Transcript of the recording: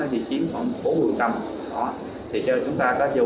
chỉ chiếm khoảng bốn một mươi tầm